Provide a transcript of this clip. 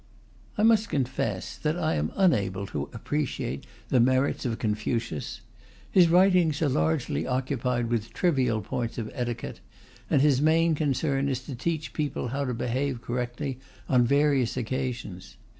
I must confess that I am unable to appreciate the merits of Confucius. His writings are largely occupied with trivial points of etiquette, and his main concern is to teach people how to behave correctly on various occasions.